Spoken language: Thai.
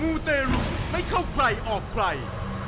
ูเตรุไม่เข้าใครออกใคร